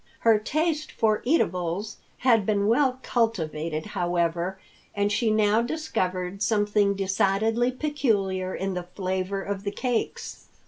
Her taste for eatables had been well cultivated, however, and she now discovered something decidedly peculiar in the flavor of the cakes.